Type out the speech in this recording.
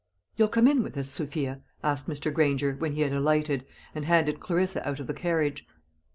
"You'll come in with us, Sophia?" asked Mr. Granger, when he had alighted, and handed Clarissa out of the carriage.